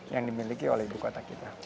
yang dimiliki oleh ibu kota kita